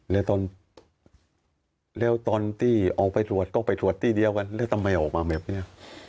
แล้วตอนแล้วตอนที่ออกไปตรวจก็ไปตรวจที่เดียวกันแล้วทำไมออกมาแบบนี้